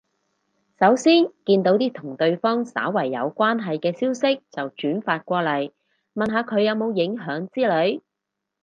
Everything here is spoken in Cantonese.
首先見到啲同對方稍為有關係嘅消息就轉發過嚟，問下佢有冇影響之類